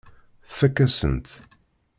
Tfakk-asen-tt.